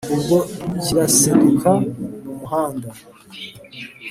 Ubwo kiraseduka mu muhanda